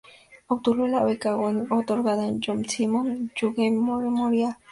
Obtuvo la beca Guggenheim otorgada por la John Simon Guggenheim Memorial Foundation.